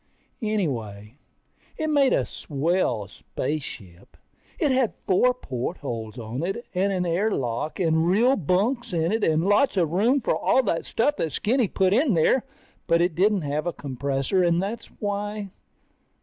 Anyway, it made a swell spaceship. It had four portholes on it and an air lock and real bunks in it and lots of room for all that stuff that Skinny put in there. But it didn't have a compressor and that's why